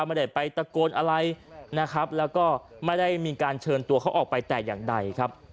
ไม่ได้ไปตะโกนอะไรนะครับแล้วก็ไม่ได้มีการเชิญตัวเขาออกไปแต่อย่างใดครับ